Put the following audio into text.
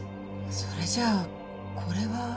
それじゃあこれは。